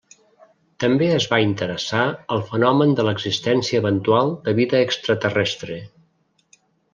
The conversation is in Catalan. També es va interessar al fenomen de l'existència eventual de vida extraterrestre.